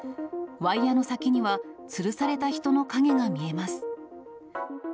ワイヤの先にはつるされた人の影が見えます。